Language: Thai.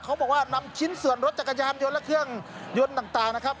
บอกว่านำชิ้นส่วนรถจักรยานยนต์และเครื่องยนต์ต่างนะครับ